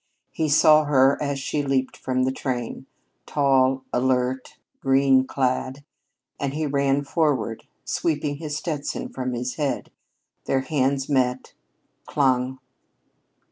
He saw her as she leaped from the train, tall, alert, green clad, and he ran forward, sweeping his Stetson from his head. Their hands met clung.